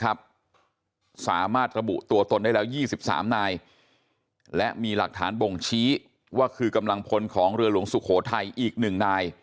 สามารถระบุตัวตนได้แล้ว๒๓นายและมีหลักฐานบ่งชี้ว่าคือกำลังพลของเรือหลวงสุโขทัยอีก๑นาย